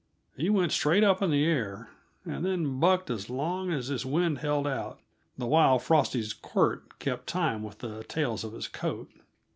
He went straight up into the air, and then bucked as long as his wind held out, the while Frosty's quirt kept time with the tails of his coat.